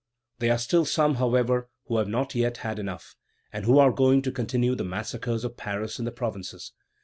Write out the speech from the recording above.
There are still some, however, who have not yet had enough, and who are going to continue the massacres of Paris in the provinces.